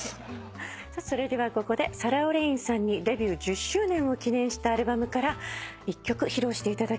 それではここでサラ・オレインさんにデビュー１０周年を記念したアルバムから１曲披露していただきます。